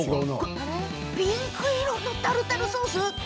ピンクのタルタルソース？